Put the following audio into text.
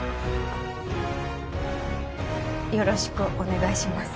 よろしくお願いします